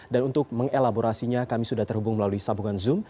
dan untuk mengelaborasinya kami sudah terhubung melalui sambungan zoom